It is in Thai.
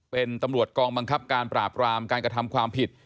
เป็นตำรวจกองบังคับการปราบรามการกระทำความผิด